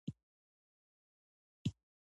تاریخي ځایونه وساتئ